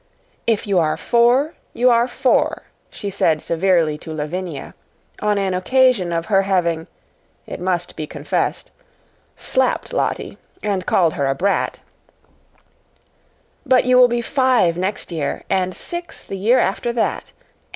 "If you are four you are four," she said severely to Lavinia on an occasion of her having it must be confessed slapped Lottie and called her "a brat;" "but you will be five next year, and six the year after that.